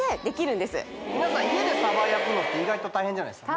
家でサバ焼くのって意外と大変じゃないですか？